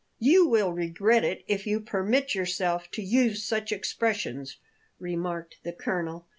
"You will regret it if you permit yourself to use such expressions," remarked the colonel.